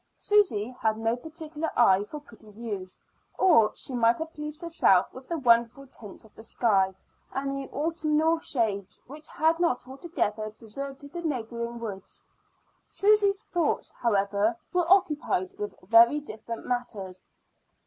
Susy had no particular eye for pretty views, or she might have pleased herself with the wonderful tints of the sky, and the autumnal shades which had not altogether deserted the neighboring woods. Susy's thoughts, however, were occupied with very different matters.